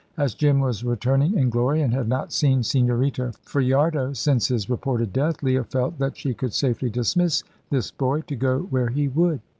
As Jim was returning in glory and had not seen Señorita Fajardo since his reported death, Leah felt that she could safely dismiss this boy, to go where he would.